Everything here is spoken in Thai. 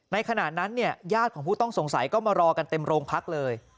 ขณะนั้นเนี่ยญาติของผู้ต้องสงสัยก็มารอกันเต็มโรงพักเลย